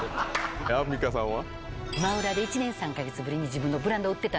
アンミカさんは？